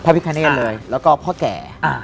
พิคเนธเลยแล้วก็พ่อแก่